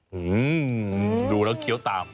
อืมดูแล้วเคี้ยวตาม